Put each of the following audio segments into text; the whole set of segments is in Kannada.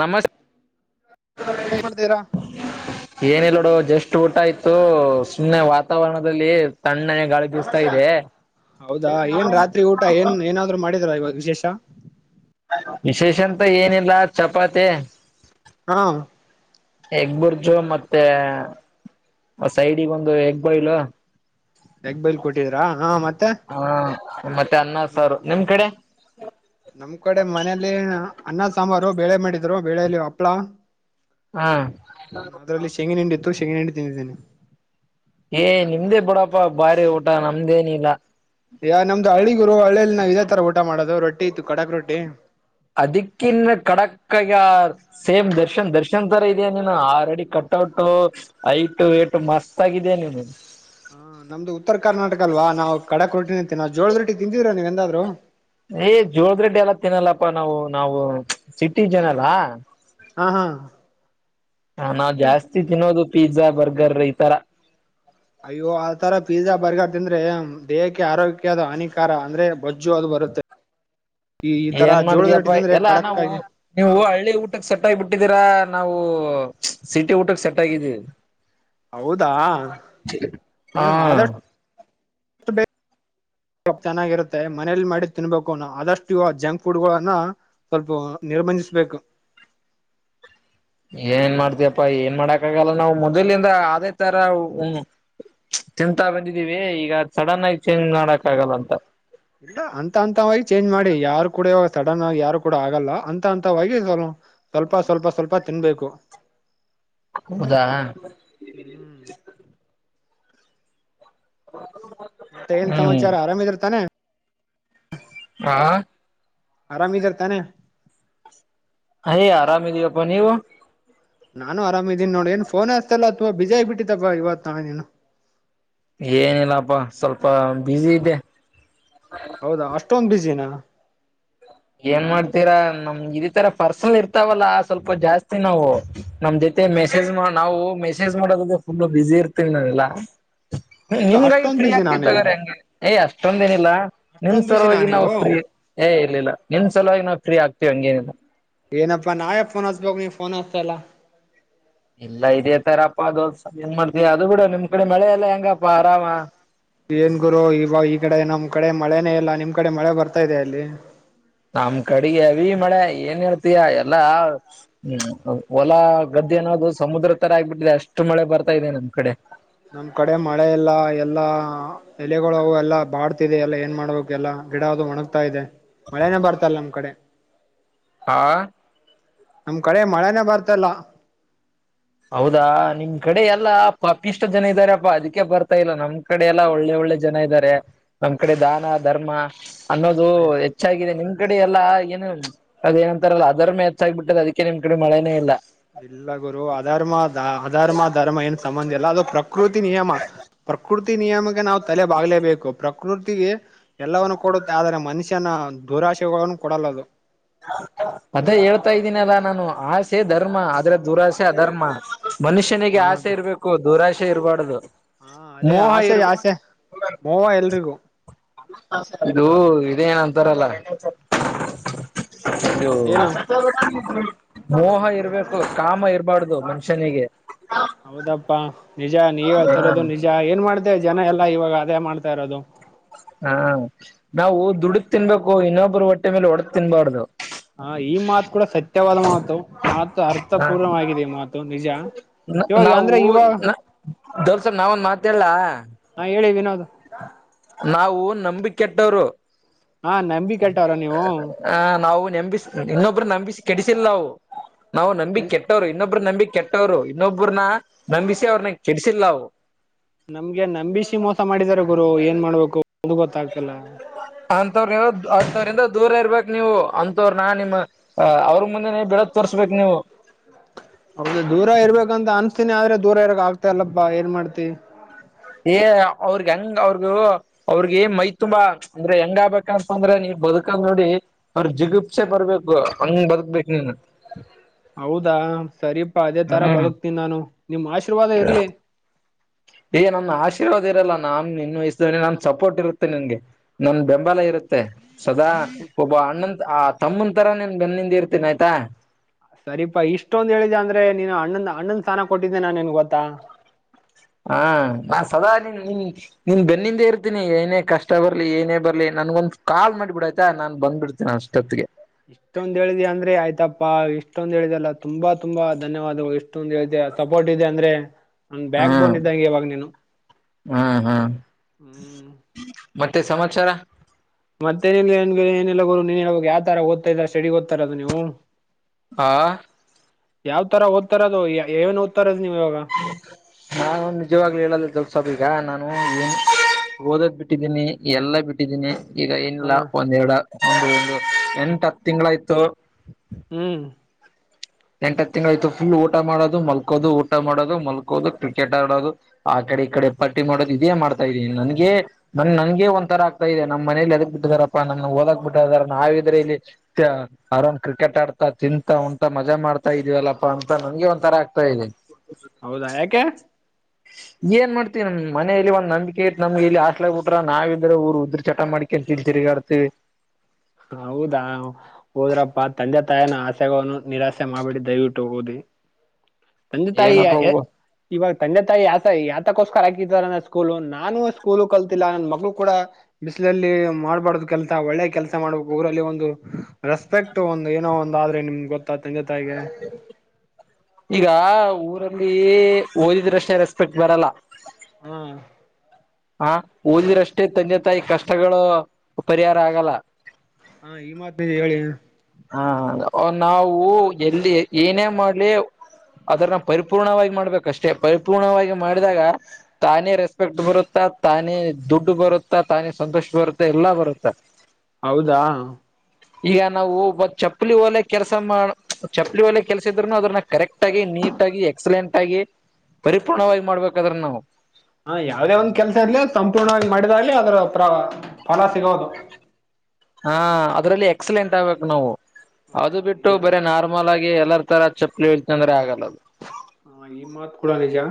ನಮಸ್ ಏನ್ ಮಾಡ್ತಿದೀರಾ ಏನ ಇಿಲ್ಲೋಡು ಜಸ್ಟ್ ಊಟ ಆಯ್ತು ಸುಮ್ನೆ ವಾತಾವರಣದಲ್ಲಿ ತಣ್ಣನೆ ಗಾಳಿಬಿಸ್ತಾ ಇದೆ ಹೌದಾ ಏನ್ ರಾತ್ರಿ ಊಟ ಏನ್ ಏನಾದ್ರು ಮಾಡಿದ್ರ ವಿಶೇಷ ವಿಶೇಷ ಅಂತ ಏನಿಲ್ಲ ಚಪಾತಿ ಹಾ ಎಗ್ಗುರ್ಜು ಮತ್ತೆ ಸೈಡ್ಗೊಂದು ಎಗ್ಗ್ಬಾಯಿಲ್ ಎಗ್ ಬೈಲ್ ಕೊಟ್ಟಿದ್ರಾ ಹಾ ಮತ್ತೆ ಹಾ ಮತ್ತೆ ಅನ್ನ ಸಾರು ನಿಮ್ ಕಡೆ ನಮ್ ಕಡೆ ಮನೇಲಿ ಅನ್ನ ಸಾಮಾರು ಬೇಳೆ ಮಾಡಿದ್ರು ಬೇಳೆೆಯಲ್ಲಿ ಹಪ್ಳ ಹಾ ಹೂ ಅದರಲ್ಲಿ ಶೇಂಗಹಿಂಡಿ ಇತ್ತು ಶೇಂಗಹಿಂಡಿ ತನ್ನಿದ್ದೇನೆ ಏ್ ನಿಮ್ದೇ ಬಿಡಪ ಬಾರಿ ಊಟ ನಮ್ದೇನ ಇಿಲ್ಲ ಯಾ ನಮ್ದು ಗುರು ಹಳ್ಳಿಯಲ್ಲಿ ನಾವು ಇದ ಊಟ ಮಾಡೋದು ರೊಟ್ಟಿ ಇತ್ತು ಕಡಕ್ ರೊಟ್ಟಿ ಅದಿಕ್ಕನ್ನು ಕಡಕ ಯಾರ್ ಸೇಮ್ ದರ್ಶನ್ ದರ್ಶನ್ ತರ ಇದೆಯಾ ನೀನು ಆರೆಡಿ ಕಟ್ಔಟ್ ಐಟ ಏ ಮಸ್ತ್ ಇದೀಯ [inaudible] ಹಾ ನಮ್ದು ಉತ್ತರ ಕರ್ನಾಟಕ ಅಲ್ವಾ ನಾವು ಕಡಕ್ ರೊಟ್ಟಿ ನಿಂತ ನಾವು ಜೋಳದ ರೊಟ್ಟಿ ತಿಂದಿದಿವ್ರ ನೀವ್ ಎಂದಾದ್ರು ಏ ಜೋಳದ್ರೆಡ್ಡಿ ಎಲ್ಲ ತಿನ್ನಲ್ಲಪ್ಪಾ ನಾವು ನಾವು ಸಿಟಿ ಜನಲ್ಲ ಹಾ ಹಾ ನಾವು ಅಂದ್ರೆ ಜಾಸ್ತಿ ತಿನ್ನೋದು ಪಿಜಜಾ ಬರ್ಗರ್ ತರ ಅಯ್ಯೋ ಆತರ ಪಿಜಜಾ ಬರ್ಗರ್ ತಿಂದ್ರೆ ದೇಹಕ್ಕೆ ಆರೋಗ್ಯದ ಹಾನಿಕಾರ ಅಂದ್ರೆ ಬಜ್ಜು ಅದು ಬ ಬಾರುತ್ತೆ ಏನ್ ಮಾಡಿದಯಪ್ಪ ಎಲ್ಲಾ ಖಡಕ್ ನಾವು ಆಗಿ ನೀವು ಹಳ್ಳಿ ಊಟಕ್ಕೆ ಸೆಟ್ಟಾಗಿ ಬಿಟ್ಟಿದ್ದೀರಾ ನಾವು ಸಿಟಿ ಊಟಕ್ಕೆ ಸೆಟ್ ಆಗಿದ್ದೀವಿ ಹೌದಾ ಹಾ ನೋಡು ಆದಷ್ಟ ಬೇಗ ವ ಚೆನ್ನಾಗಿರುತ್ತೆ ಮನೇಲಿ ಮಾಡಿ ತಿನ್ಬೇಕು ಆದಷ್ಟು ಇ ಜಂಕ್ ಫುಡ್ ಗಳನ್ನ ಸ್ವಲ್ಪ ನಿರ್ಬಂಧಿಸ್ಬೇಕು [unintelligible] ಏನ್ ಮಾಡ್ತಯಪ್ಪಾ ಏನ್ ಮಾಡಕ್ ಆಗಲ್ಲ ನಾವ್ ಮೊದಲಿಂದ ಅದೇ ತರ ಹ ತಿಂತಾ ಬಂದಿದ್ದೀವಿ ಈಗ ಸಡನ್ ಆಗಿ ಚೇಂಜ್ ಮಾಡಕ್ ಆಗಲ್ಲ ಅಂತ ಇಲ್ಲ ಅಂತ ಅಂತವಾಗಿ ಚೇಂಜ್ ಮಾಡಿ ಯಾರು ಕೂಡ ಸಡನ್ ಆಗಿ ಯಾರು ಕೂಡ ಆಗಲ್ಲ ಅಂತ ಅಂತವಾಗಿ ಸವಲ ಸ್ವಲ್ಪ ಸ್ವಲ್ಪ ಸ್ವಲ್ಪ ತಿನ್ಬೇಕು ಹೌದಾ ಹ್ಮ್ ಮತ್ತೆ ಏನ್ ಹ್ಮ್ ಸಮಾಚಾರ ಆರಾಮಿದಿರ್ ತಾನೆ ಹ ಆರಾಮ ಇದೀರಾ ತಾನೆ ಅಯ್ ಆರಾಮ ಇದೀವಪ್ಪ ನೀವು ನಾನು ಆರಾಮ ಇದೀನಿ ನೋಡ್ ಏನ್ ಫೋನ್ ಏತಲ್ಲಪ್ಪ ಅಥವಾ ಬಿಸಿ ಆಗ್ಬ ಬಿಟ್ಟಿತಪ್ಪ ಇವತ್ತು ನಾನು ಏನಿಲ್ಲಪ್ಪಾ ಸ್ವಲ್ಪ ಬಿಸಿ ಇದ್ದೆ ಹೌದಾ ಅಷ್ಟೊಂದು್ ಬಿಸಿನ ಏನ್ ಮಾಡ್ತೀರಾ ನಮ್ ಇದ ತರ ಪರ್ಸನಲ್ ಇರ್ತಾವಲ್ಲಾ ಸ್ವಲ್ಪ ಜಾಸ್ತಿ ನಾವು ನಮ್ ಜೊತೆ ಮತ್ತೆ ಮೆಸೇಜ್ ನಾವು ಮೆಸೇಜ್ ಮಾಡೋದೆ ಫುಲ್ಲು ಬಿಸಿಿ ಇರ್ತೀವಿಲ್ಲ ನಾವು ಎಲ್ಲಾ ಹ್ಮ ಹೌದಾ ನಿಮ್ಗಾಗಿ ಅಷ್ಟೊಂದ್ ಫ್ರೀ ಬಿಜಿನಾ ಆಗ್ತಿ ನೀವು ತಗಾರೆ ಹೆಂಗೆ ಏಯ ಅಷ್ಟ ಅಷ್ಟೊಂದೇನಿಲ್ಲ ನಿನ್ ಅಷ್ಟೊಂದ್ ಬಿಜಿನಾ ಸರವಾಗಿ ನಾವು ನೀವು ಸ್್ರೀ ಏ ಇರ್ಲಿಲ್ಲ ನಿನ್್ ಸಲುವಾಗಿ ನಾವು ಫ್ರೀ ಆಗ್ತಿೀವಿ ಹಂಗೇನಿಲ್ಲ ಏನಪ್ಪಾ ನಾವೆ ಯೆ ಫೋನ್ ಹಚ್ಬೇಕು ನೀವ ಫೋನ್ ಅಚ್ಚಲ್ಲ ಎಲ್ಲ ಇದದೆ ತರಪ್ಪಾ ದೋಲ್ಸ ನ್ ಮಾಡ್ತಿವಿ ಅದು ಬಿಡ ನಿಮ್ ಕಡೆ ಮಳೆ ಎಲ್ಲ ಹೆಂಗಪ್ಪಾ ಆರಾಮ ನಾಮ್ ಕಡೆ ಮಳೆನೇ ಇಲ್ಲ ನಿಮ್ ಕಡೆ ಮಳೆ ಬರ್ತಾ ಇದೆ ಅಲ್ಲಿ ನಮ್ ಕಡೆಗೆ ಹೆವಿ ಮಳೆ ಏನ್ ಹೇಳ್ತಯಾ ಎಲ್ಲಾ ಹೂ ಹೊಲ ಗದ್ದೆ ಇದು ಏನೋದು ಸಮುದ್ರ ತರ ಆಗ್ಿಬಿಟ್ಟಿದೆ ಅಷ್ಟು ಮಳೆ ಬರ್ತಾ ಇದೆ ನಮ್ ಕಡೆ ನಮ್ ಕಡೆ ಮಳೆ ಎಲ್ಲ ಎಲ್ಲಾ ಎಲೆಗಳುವು ಎಲ್ಲಾ ಬಾಡ್ತಿದೆ ಎಲ್ಲಾ ಏನ್ ಮಾಡ್ಬೇಕ ಎಲ್ಲ ಗಿಡ ಅದು ಒಣಗ್ತಾ ಇದೆ ಮಳೆನ ಬರ್ತಲ್ಲ ನಮ್ ಕಡೆ ಹಾ ನಮ್ ಕಡೆ ಮಳೆನ ಬರ್ತಲ್ಲ ಹೌದಾ ನಿಮ್ ಕಡೆ ಎಲ್ಲಾ ಪಪಿಷ್ಟ ಜನ ಇದಾರೆಪ್ಪಾ ಅದಕ್ಕೆ ಬರ್ತಾ ಇಲ್ಲ ನಮ್ ಕಡೆ ಎಲ್ಲಾ ಒಳ್ಳೆ ಒಳ್ಳೆ ಒಳ್ಳೆ ಜನ ಇದ್ದಾರೆ ನಮ್ ಕಡೆ ದಾನ ಧರ್ಮ ಅನ್ನೋದು ಅಯ್ಯ ಹೆಚ್ಚಾಗಿದೆ ನಿಮ ನಿಮ್ ಕಡೆ ಎಲ್ಲ ಏನು ಅದೇಏನ ಅಂತಾರಲ್ಲ ಅದರ ಮೆ ಎ ಹೆಚ್ಚಾಗಬಿಟ್ಟದ ಅದಕ್ಕೆ ನಿಮ್ ಕಡೆ ಮಳೆನೇ ಇಲ್ಲ ಇಲ್ಲ ಗುರು ಅಧರ್ಮ ದ ಅಧರ್ಮ ಧರ್ಮ ಏನ್ ಸಂಬಂಧ ಅಲ್ಲ ಅದು ಪ್ರಕೃತಿ ನಿಯಮ ಪ್ರಕೃತಿ ನಿಯಮಕ್ಕೆ ನಾವು ತಲೆ ಬಾಗಲೇಬೇಕು ಪ್ರಕೃತಿ ಎಲ್ಲವವನ್ನು ಕೊಡುತ್ತೆ ಆದರೆ ಮನುಷ್ಯನ ಹ ದುರಾಶೆನು ಕೊಡಲ್ಲ ಅದು ಅದ ಹೇಳ್ತಾ ಇದ್ದೀನಿ ಅಲ್ಲಾ ನಾನು ಆಸೆ ಧರ್ಮ ಆದ್ರೆ ದುರಾಸೆ ಅಧರ್ಮ ಹ್ಮ ಮನುಷ್ಯನಿಗೆ ಆಸೆ ಹಾ ಇರ್ಬೇಕು ದುರಾಶೆ ಇರಬಾರ್ದು ಹಾ ಅದೇ ಮೋಹ ಆಶೆ ಇರ್ ಆಶೆ ಮೋವ ಎಲ್ರಿಗೂ ಇದು ಇದೇನಂತ ಲ್ಲ ಅಯೋ ಏನು ಮೋಹ ಇರ್ಬೇಕು ಕಾಮ ಇರ್ಬಾರ್ದು ಮನುಷ್ಯನಿಗೆ ಹೌದಪ್ಪಾ ನಿಜ ನೀವ ಹ ಹೇಳ್ತಿರೋದು ನಿಜ ಏನ್ ಮಾಡ್ತ ಜನ ಎಲ್ಲಾ ಇವಾಗ ಅದೇ ಮಾಡ್ತಾ ಇರೋದು ಹಾ ನಾವು ದುಡಕ್ ತಿನ್ಬೇಕು ಇನ್ನೊಬ್ಬರು ಹೊಟ್ಟೆ ಮೇಲೆ ಒಡದ ತಿನ್ಬಾರ್ದು ಹ ಈ ಮಾತು ಕೂಡ ಸತ್ಯವಾದ ಮಾತು ಮಾತು ಹ ಅರ್ಥಪೂರ್ಣವಾಗಿದೆ ಮಾತು ನಿಜ ಇವಾಗ ಅಂದ್ರೆ ಇವಾಗ ದೋರ್ಸ ನಾವ ಒಂದ ಮಾತಲ್ಲ ಹೇಳಿ ವಿನೋದ್ ಹಾ ನಾವು ನಂಬಿ ಕೆಟ್ಟವರು ಹಾ ನಂಬಿ ಕೆಟ್ಟವ್ರ ನೀವು ಆ ನಾವು ನಂಬ ಇನ್ನೊಬ್ರು ನಂಬಿಸಿ ಕೆಡಿಸಿಲ್ಲಾವು ನಾವು ನಂಬಿ ಕೆಟ್ಟವ್ರು ಇನ್ನೊಬ್ರು ಒಬ್ ನಂಬಿ ಕೆಟ್ಟವ್ರು ಇನ್ನೊಬ್ಬ್ರನ್ನ ನಂಬಿಸಿ ಅವ್ರನ್ನ ಕೆಡಸಿಲ್ಲವು ನಮ್ಗೆ ನಂಬಿಸಿ ಮೋಸ ಮಾಡಿದಿದ್ದಾರೆ ಗುರು ಏನ್ ಮಾಡ್ಬೇಕು ಗೊತ್ತಾಗತ ಅಂಂತವ್ರ ಅಥವ್ರಂದ ದೂರ ಇರ್ಬೇಕು ನೀವು ಅಂತವ್ರ ನ ನಿಮ್ಮ ಅವ್ರ ಮುಂದೆ ದು ದೂರ ಇರ್ಬೇಕಂತ ಅನ್ಸ ಹತನಿ ಆದ್ರೆ ದೂರ ಇರಾಗ ಆಗ್ತ ಅಲ್ಲಪ್ಪಾ ಏನ್ ಮಾಡ್ತಿ ಏ ಅವ್ರಗ್ ಹೆಂಗ್ ಅವ್ರಗ ಅವ್ರಿಗೆ ಮೈ ತುಂಬಾ ಅಂದ್ರೆ ಹೆಂಗ ಆಬೇಕಂತಂದ್ರೆ ನೀ ಬದುಕಂದ್ ನೋಡಿ ಅವ್ರರು ಜಿಗುಪ್ಸೆ ಬರ್ಬೇಕು ಹಂಗ್ ಬದುಕ್ಬೇಕು ನೀನ್ ಹೌದಾ ಸರಿಪಾ ಅದೇ ತರ ಹ್ಮ್ ಬದುಕ್ತೀನಿ ನಾನು ನಿಮ ಆಶೀರ್ವಾದ ಇರ್ಲಿ ಯ ನನ್ನ ಆಶೀರ್ವಾದ ಇರಲ್ಲ ನಾನ್ ನಿನ್ ವಯಸ್ಸ್ದನೆ ನನ್ ಸಪೋರ್ಟ್ ಇರುತ್ತೆ ನನ್ಗೆ ನನ್ ಬೆಂಬಲ ಹೌದಾ, ಇರುತ್ತೆ ಸದಾ ಒಬ್ಬ ಅಣ್ಣಂತ ಆ ತಮ್ಮನ್ ತರ ನಿನ್ ಬೆನ್ನಿಂದ ಇರ್ತೇನಿ ಆಯ್ತಾ ಸರಿಪಾ ಇಷ್ಟೊಂದು ಹೇಳಿದೆ ಅಂದ್ರೆ ನೀನು ಅಣ್ಣಂದ ಅಣ್ಣಂದ ಸ್ಾನ ಕೊಟ್ಟಿದ್ದೆ ನಾನ್ ನಿನ್ ಗೊತ್ತಾ ಹಾ ನಾನ್ ಸದಾ ನಿನ್ ನಿನ್ ನಿನ್ ಬೆನ್ನಿಂದೆ ಇರ್ತೀನಿ ಏನೇ ಕಷ್ಟ ಬರ್ಲಿ ಏನೇ ಬರ್ಲಿ ನನ್ಗ ಒಂದ ಕಾ ಮಾಡಿಬ ಬಿಡ ಆಯ್ತಾ ನಾ ಬ್ಬ ಬಿಡ್ತೀನಿ ಅಷ್ಟೊತ್ತಿಗೆ ಇಷ್ಟೊಂದ್ ಹೇಳಿದೆ ಅಂದ್ರೆ ಆಯ್ತಪ್ಪಾ ಇಷ್ಟೊಂದ್ ಹೇಳಿದೆಲ್ಲ ತುಂಬಾ ತುಂಬಾ ಧನ್ಯವಾದಗಳು ಇಷ್ಟೊಂದ್ ಹೇಳಿದ ಸಪೋರ್ಟ್ ಇದೆ ಅಂದ್ರೆ ನನ್ ಹಾ ಬ್ಯಾಕ್ ಬೋನ್ ಇದ್ದಂಗೆ ಇವಾಗ ನೀನು ಹಾ ಹಾ ಹ್ಮ್ ಮತ್ತೆ ಸಮಾಚಾರ ಮತ್ತೆನಏ ಏಲ್ಲರು ನೀನ್ ಹೇಳಳ್ ಯಾವ ತರ ಓದ್ತ ಇದ್ದಾರೆ ಸಡಿಿಗೆ ಓದ್ತಾರರದು ನೀವು ಆಾ ಯಾವ್ ತರ ಓದ್ತಾರದು ಏನ್ ಓದತಾರದ್ ನೀವ್ ಇವಾಗ ನಾನು ನಿಜವಾಗ್ಲು ಹೇಳಲ್ಲ ದಸಬ ಈಗ ನಾನು ಏನು ಓದದ್ ಬಿಟ್ಟಿದ್ದೀನಿ ಎಲ್ಲಾ ಬಿಟ್ಟಿದ್ದೀನಿ ಈಗ ಹ ಏನಿಲ್ಲ ಒಂದೆರಡು ಒಂದು ಒಂದು ಎಂಟ ಹತ್ತು ತಿಂಗಳಾಯ್ತು ಹ್ಮ್ ಎಂಟತ್ತು ತಿಂಗಳ ಆಯತು ಫುಲ್ ಊಟ ಮಾಡೋದು ಮಲ್ಕೋದು ಊಟ ಮಾಡೋದು ಮಲ್ಕೋದು ಕ್ರಿಕೆಟ್ ಆಡೋದು ಆೆ ಕಡೆ ಈ ಕಡೆ ಪಟ್ಟಿ ಮಾಡೋದು ಇದೇ ಮಾಡ್ತಾ ಇದೀನಿ ನನ್ಗೆ ನ ನನ್ಗೆ ಒಂಥರ ಆಗ್ತಾ ಇದೆ ನಮ್ಮ್ನೇಲಿ ಎದ ಬಿಟ್ಟಿದ ನಗೆ ಓದಕ್ ಬಿಟ್ಟು ಹೋಗ್ಯಾರಾ ನಾವಿದ್ರೆ ಇಲ್ಲಿ ಅವ್ರನ್ ಕ್ರಿಕೆಟ್ ಆಡ್ತಾ ತಿಂತಾ ಉಂಂತಾ ಮ ಇದೆ ಮಾಡ್ತಾ ಇದೀವಲ್ಲಪ್ಪಾ ಅಂತ ನಂಗೆ ಒಂಥರ ಆಗ್ತಾ ಇದೆ ಹೌದಾ ಯಾಕೆ ಏನ್ ಮಾಡ್ತೀವಿ ನಮ್ ಮನಲಿ ಒಂದ ನಂಬಿಕೆ ಇತ್ ನಮ್ಗೆ ಇಲ್ಲಿ ಹಾಸ್ಟೆಲ್ ಬಿಟ್ರ ನಾವ ಇದ್ರೆ ಊರು ಉದ್ರ ಚಟ ಮಾಡ್ಕ ಕೆ ತಿರುಗಿ ಆಡ್ತೀವಿ ಹೌದಾ ಒದ್ರಪ್ಪ ತಂದೆ ತಾಯನ ಆಸೆಗನು ನಿರಾಸೆ ಮಾಡ್ಬಿಡಿ ದಯವಿಟ್ಟು ಓದಿ [inaudible] ತಂದೆ ತಾಯಿ ಏನಪ್ಪಾ ಇವಾಗ ತಂದೆ ತಾಯಿ ಯಾಕ ತಕ್ಕೋಸ್ಕರ ಹಾಕಾರ ಸ್ಕೂಲು ನಾನು ಸ್ಕೂಲ್ ಕಲ್ತಿಲ್ಲ ನನ್ನ ಮಕ್ಳ ಕೂಡ ಬಿಸ್ಲಲ್ಲಿ ಮಾಡ್ಬಾರ್ದು ಕೆಲಸ ಒಳ್ಳೆ ಕೆಲಸ ಮಾಡ್ಬೇಕು ಊರಲ್ಲಿ ಒಂದು ರೆಸ್ಪೆಕ್ಟ್ ಒಂದು ಏನೋ ಒಂದ ಆದ್ರೆ ನಿಮ್ಗೆ ಗೊತ್ತ ತ ತಂಗ ತಾಯಿಗೆ ಈಗ ಊರಲ್ಲಿ ಓದಿದ್ರಷ್ಟೇ ರೆಸ್ಪೆಕ್ಟ್ ಬರಲ್ಲ ಹ್ಮ್ ಹ ಓದಿ್ರಷ್ಟೇ ತಂದೆ ತಾಯಿ ಕಷ್ಟಗಳು ಪರಿಹಾರ ಆಗಲ್ಲ ಹಾ ಈ ಮಾತ ಹೇಳಿ ಹಾ ನಾವು ಎಲ್ಲಿ ಏನೇ ಮಾಡ್ಲಿ ಅದ್ರನ್ನ ಪರಿಪೂರ್ಣವಾಗಿ ಮಾಡ್ಬೇಕಷ್ಟೇ ಪರಿಪೂರ್ಣವಾಗಿ ಮಾಡಿದಾಗ ತಾನೇ ರೆಸ್ಪೆಕ್ಟ್ ಬರುತ್ತೆ ತಾನೇ ದುಡ್ಡು ಬರುತ್ತಾ ತಾನೇ ಸಂತೋಷ ಬರುತ್ತಾ ಎಲ್ಲಾ ಬರುತ್ತಾ ಹೌದಾ ಈಗ ನಾವು ಚಪ್ಪಲಿ ಒಲೆಯ ಕೆಲಸ ಮಾಡ ಚಪ್ಪಲಿ ಒಲೆಯ ಕೆಲಸ ಇದ್ರುನು ಅದನ್ನ ಕರೆಕ್ಟ್ ಆಗಿ ನೀಟ್ ಆಗಿ ಎಕ್ಸಲೆಂಟ್ ಆ ಪರಿಪೂರ್ಣವಾಗಿ ಮಾಡ್ಬೇಕದ್ರ ನಾವು ಹಾ ಯಾವವುದೇ ಒಂದ್ ಕೆಲ್ಸ ಇರ್ಲಿ ಸಂಪೂರ್ಣವಾಗಿ ಮಾಡಿದಾಗ್ಲಿ ಅದ್ರ ಪ್ರ ಫಲ ಸಿಗೋದು ಹಾ ಅದ್ರಲ್ಲಿ ಎಕ್ಸಲೆಂಟ್ ಆಗ್ಬೇಕು ನಾವು ಹಾ ಅದು ಬಿಟ್ಟು ನಿಜ ಬರಿ ನಾರ್ಮಲ್ ಆಗಿ ಎಲ್ಲಾರ ತರ ಚಪ್ಪಪ್ಲಿ ಹೋಲಿತೀನಿ ಅಂದ್ರ ಆಗಲ್ಲ ಅದು ಹ ಈ ಮಾತ್ ಕೂಡ ನಿಜ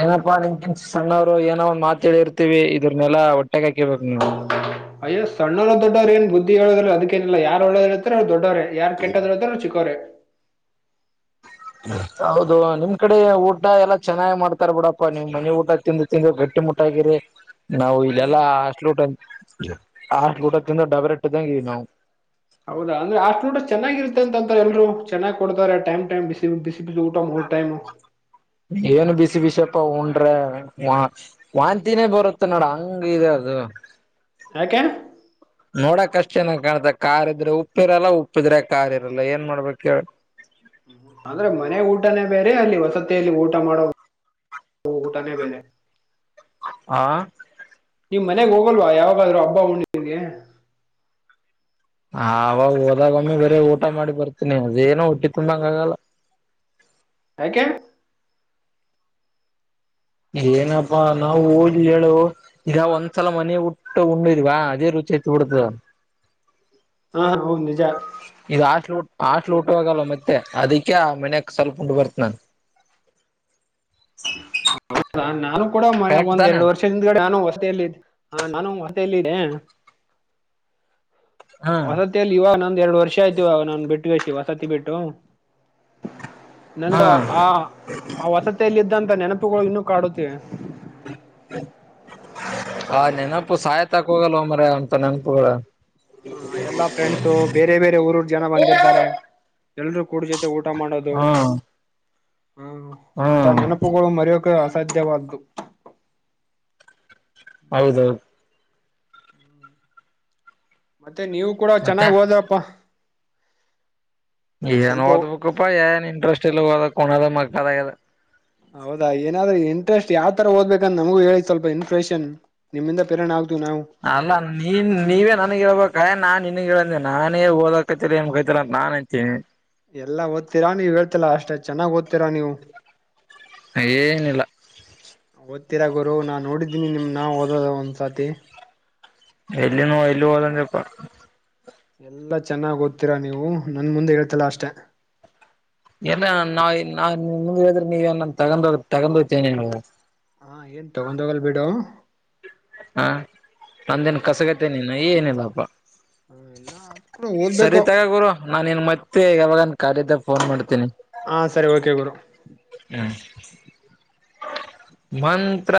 ಏನಪ್ಪಾ ನಿನಕ್ಕಿಂತ ಸಣ್ಣವ್ರು ಏನೋ ಒಂದ ಮಾತ ಹೇಳಿ ಇರ್ತೀವಿ ಇದ್ರನೆಲ್ಲಾ ಒಟ್ಟಗ ಹಾಕೇಳ್ಬೇಕು ನೀವು ಅಯ್ಯ ಸಣ್ಣವರ ದೊಡ್ಡವರೂ ಏನ್ ಬುದ್ಧಿ ಹೇಳದ್ರ ಅದಕ್ಕೇನಿಲ್ಲ ಯಾರು ಒಳ್ಳೆಯವರು ಅವ್ ದೊಡ್ಡವ್ರೇ ಯಾರ್ ಕೆಟ್ಟದ ಹೇಳ್ತಾರೆ ಅವ್ರು ಚಿಕ್ಕವ್ರೆ ಹೌದು ನಿಮ್ ಕಡೆ ಊಟ ಎಲ್ಲಾ ಚೆನ್ನಾಗ್ ಮಾಡ್ತಾರ ಬಿಡಪ್ಪಾ ನಿಮ್ ಮನೆ ಊಟ ತಿಂದು ತಿಂದು ಗಟ್ಟಿ ಮಾಡ ಮೋಟಾಗಿರೆ ನಾವು ಹ್ಮ್ ಇದೆಲ್ಲ ಹಾಸ್ಲು ಊಟ ಹಾಸ್ ಊಟದಿಂದ ಡಬರ್ಟ್ಟದಂಗಿದವಿ ನಾವು ಹೌದಾ ಅಂದ್ರ ಆಷ್ಟ ಊಟ ಚೆನ್ನಾಗಿರುತ್ತತೆ ಅಂತಾರೆ ಎಲ್ರು ಚೆನ್ನ್ ಕೊಡ್ತಾರೆ ಟೈಮ್ ಟೈಮ್ ಬಿಸಿ ಬ ಏನು ಬಿಸಿ ಬಿಸಿ ಪ್ಪ ಉಂಡ್ರೆ ವಾಂತಿನೇ ಬರುತ್ತ ನೋಡ ಹಂಗ ಇದೆ ಅದು ಯಾಕೇ ನೋಡಕ್ ಅಷ್ಟೇ ಚನ್ನಾಗಿ ಕಾಣುತ್ತೆ ಕಾರ್ ಇದ್ರೆ ಉಪ್ಪಿರಲ್ಲ ಉಪ್ಪಿದ್ರೆ ಕಾರ್ ಇರಲ್ಲ ಏನ್ ಮಾಡ್ಬೇಕ ಅೇ ಅಲ್ಲಿ ವಸತಿಯಲ್ಲಿ ಊಟ ಮಾಡೋ ಊಟನೇ ಬೇರೆ ಹಾಂ ನೀವ್ ಮನೆಗ್ ಹೋಗಲ್ವಾ ಯಾವಾಗಾದ್ರುೂ ಹಬ್ಬ ಹುಣ್ಣಗೆ. ಆವಾಗ ಹೋದಾಗ ಒಮ್ಮೆ ಬೇರೆ ಊಟ ಮಾಡಿ ಬರ್ತೀನಿ ಅದೇನೋ ಹಟ್ಟಿ ತುಂಬಂಗ ಆಗಲ್ಲ. ಹ [inaudible] ಯಾಕೆ ಏನಪ್ಪಾ ನಾವು ಹೋಗ್ಲಿ ಹೇಳು ಈಗ ಒಂದ್ಸಲ ಮನ ಊಟ ಉಣಿದ್ವಾ ಅದೇ ರು ಚೇತ ಕೊಡ್ತದಾ ಹಾ ಹ ಹ ನಿಜ ಹಾಸ್ಟೆಲ್ ಊಟ ಹೋಗಲ್ಲ ಮತ್ತೆ ಅದಕ್ಕೆ ಆ ಮನ್ಯಕ್ ಸ್ವಲ್ಪ ಉಂಟು ಬರ್ತ ನನ್ ಹೌ ನಾನು ಕೂಡ ಮ ಕರೆಕ್ಟ್ ಒಂದ್ ತಾನೆ ಎರಡು ವರ್ಷ ಹಿಂದಗಡೆ ನಾನು ಹೊತಲ್ಲ ನಾನು ತಲ್ಲಿರ ಹಾ ವಸತಿಿಯಲ್ಲಿ ಇವಾಗ ನಂದ ಎರಡು ವರ್ಷ ಆಯ್ತಿು ಇವಾಗ ನಾನು ಬಿಟ್ಟುಷ್ಟಿ ವಸತಿ ಬಿಟ್ಟು ಹಾ ನನಗೂ ಆ ಆ ವಸತಿಯಲ್ಲಿದ್ದಂತ ನೆನಪುಗಳು ಇನ್ನು ಕಾಡುತ್ತೆ ಹಾ ನೆನ ಪ್ಪು ಸಾಯತಕ ಹೋಗಲ್ವ ಮರಯ ಅಂತ ನೆನಪುಗಳು. ಹಾ ಎಲ್ಲಾ ಫ್ರೆಂಡ್ಸು ಬೇರೆ ಬೇರೆ ಊರ್ರ್ ಜನ ಬಂದಿ ದಾರೆ ಎಲ್ರೂ ಕೂಡ ಜೊತೆ ಊಟ ಮಾಡೋದು ಹಾ ಹ ಅಂತ ಹ್ಮ್ ನೆನಪುಗಳು ಮರೆಯೋ. ಮರೆಯೋಕೆ ಅಸಾಧ್ಯವಾದ್ದು. ಹೌದೌದು ಮತ್ತೆ ನೀವು ಕೂಡ ಮತ್ತೆ ಚೆನ್ನಾಗ್ ಹೋದಪ್ಪಾ. ಏನ್ ಓದ್ಬೇಕಪ್ಪಾ ಏನ್ ಇಂಟ್ರೆಸ್ಟ್ ಇಲ್ಲ ಹದ ಹುಣದ ಮಕೊಳದ ಹೌದಾ ಏನಾದ್ರೂ ಇಂಟ್ರೆಸ್ಟ್ ಯಾವ ತರ ಓದ್ಬೇಕಂದಂತ ನಮಗೂ ಹೇಳಿ ಸ್ವಲ್ಪ ಇನ್ಫ್ರೇಷನ್ ನಿಮ್ಮಿಂದ ಪ್ರೇರಣ ಆಗ್ ಅಲ್ಲ ನೀನ್ ನೀವೇ ನನ್ಗ ಹೇಬೇಕೆ ನಾನ್. ನಂದೆ ನಾನೇ ಓದಕೈತರಿ ಏ ಕೈತರ ಅ ನಾನ್ ಅತ್ತಿ. ಎಲ್ಲ ಓದ್ತೀರಾ ನೀವ್ ಹೇಳ್ತಲ್ಲಾ ಅಷ್ಟೆ ಚೆನ್ನಾಗ್ ಓದ್ತೀರಾ ನೀವು. ಏನಿಲ್ಲ ಹತ್ತೀರ ಗುರು ನಾ ನೋಡಿದ್ದೀನಿ ನಿಮ್ ನಾ ಓದದ ಒಂದ್ಸತಿ. ಎಲ್ಲಿ ನೋ ಎಲ್ಲಿ ಹೋದೆ ನಪ್ಪ. ಎಲ್ಲಾ ಚೆನ್ನಾಗ್ ಓದ್ತೀರಾ ನೀವು ನನ್ ಮುಂದೆ ಹೇಳ್ತಲ್ಲ ಅಷ್ಟೆ. ಏನ್ ನಾ ಮುಂದ ಹೇಳದ್ರೆ ನೀವನ್ ತಗ ತಗೊಂಡ ಹೋಗ್ತೇನ ಹಾ ಏನ್ ತಗೊಂಡೋಗಲ್ ಬಿಡು ಹಾ ನಂದನ್ ಹ್ಮ ಕಸಗತನಿನ ಏನಿಲ್ಲಾಪ್ಪಾ ಹ ಎಲ್ಲ ಅದ್ ಕೂಡ ಸರಿ ಓದ್ಬೇಕು ತಗ ಗುರು ನಾನ ನ್ ಮತ್ತೆ ಯಾವಾಗನ್ ಕದ. ಫೋನ್ ಮಾಡ್ತನಿ ಹಾ ಸರಿ ಓಕೆ ಗರು ಮಂತ್ರ